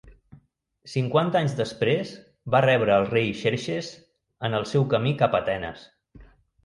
Cinquanta anys després va rebre al rei Xerxes en el seu camí cap a Atenes.